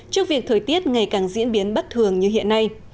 trước việc thời tiết ngày càng diễn biến bất thường như hiện nay